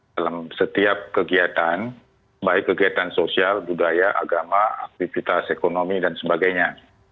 dalam setiap kegiatan baik kegiatan sosial budaya agama aktivitas ekonomi dan sebagainya